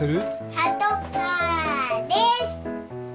パトカーです。